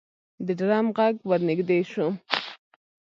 د ډرم غږ ورنږدې شو.